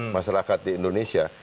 masyarakat di indonesia